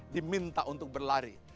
diminta untuk berlari